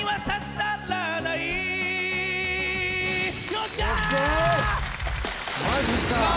よっしゃ！